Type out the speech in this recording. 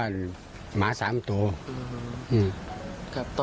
แม่พึ่งจะเอาดอกมะลิมากราบเท้า